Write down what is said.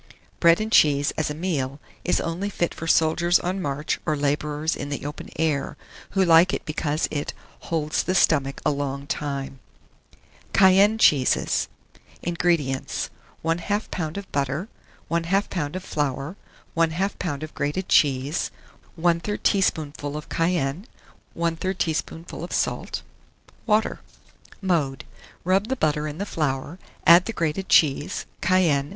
Bread and cheese, as a meal, is only fit for soldiers on march or labourers in the open air, who like it because it "holds the stomach a long time." CAYENNE CHEESES. 1642. INGREDIENTS. 1/2 lb. of butter, 1/2 lb. of flour, 1/2 lb. of grated cheese, 1/3 teaspoonful of cayenne, 1/3 teaspoonful of salt; water. Mode. Rub the butter in the flour; add the grated cheese, cayenne.